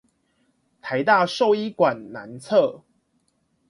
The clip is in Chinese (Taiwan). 臺大獸醫館南側